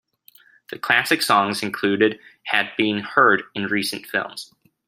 The classic songs included had been heard in recent films.